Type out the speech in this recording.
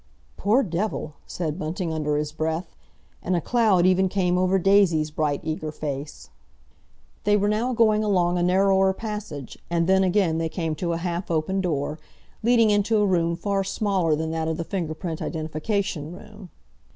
"Poor devil!" said Bunting under his breath, and a cloud even came over Daisy's bright eager face. They were now going along a narrower passage, and then again they came to a half open door, leading into a room far smaller than that of the Finger Print Identification Room.